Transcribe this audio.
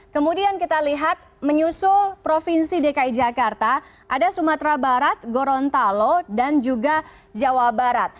kemudian kita lihat menyusul provinsi dki jakarta ada sumatera barat gorontalo dan juga jawa barat